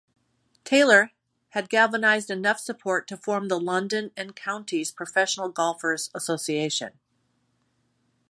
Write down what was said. Taylor had galvanised enough support to form the London and Counties Professional Golfers' Association.